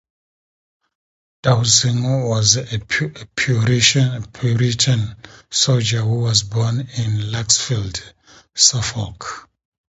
Dowsing was a puritan soldier who was born in Laxfield, Suffolk.